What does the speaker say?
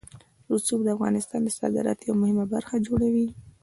رسوب د افغانستان د صادراتو یوه مهمه برخه جوړوي.